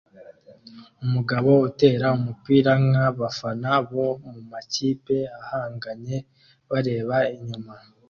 Umugabo utera umupira nkabafana bo mumakipe ahanganye bareba inyuma